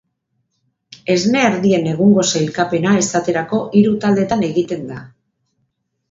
Esne ardien egungo sailkapena, esaterako, hiru taldetan egiten da.